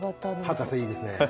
博士、いいですね。